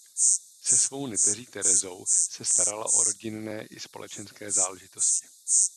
Se svou neteří Terezou se starala o rodinné i společenské záležitosti.